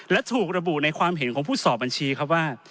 และถูกระบุในความเห็นของผู้สอบบัญชีครับว่า